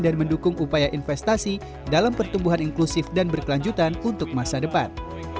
dan mendukung upaya investasi dalam pertumbuhan inklusif dan berkelanjutan untuk masa depan